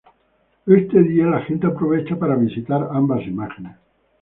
Este día la gente aprovecha para visitar ambas imágenes.